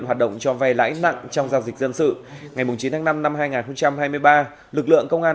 hoạt động cho vay lãi nặng trong giao dịch dân sự ngày chín tháng năm năm hai nghìn hai mươi ba lực lượng công an